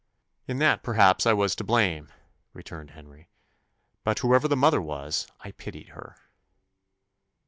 "In that, perhaps, I was to blame," returned Henry: "but whoever the mother was, I pitied her."